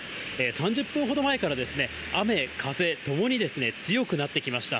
３０分ほど前から雨、風ともに強くなってきました。